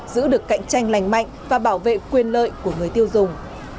giữ được cạnh tranh lành mạnh và bảo vệ quyền lợi của người tiêu dùng